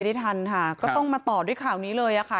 ได้ทันค่ะก็ต้องมาต่อด้วยข่าวนี้เลยค่ะ